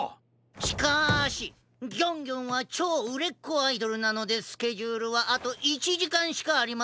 しかしギョンギョンはちょううれっこアイドルなのでスケジュールはあと１じかんしかありませんな。